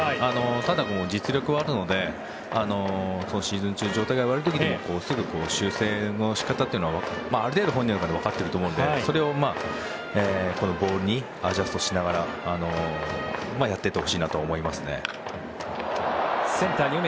ただ、実力はあるのでシーズン中、状態が悪い時でも修正の仕方はある程度、本人も分かっていると思うのでそれをボールにアジャストしてやっていってほしいと思います。